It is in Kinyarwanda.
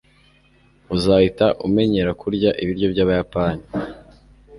uzahita umenyera kurya ibiryo byabayapani